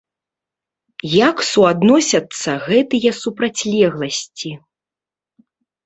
Як суадносяцца гэтыя супрацьлегласці?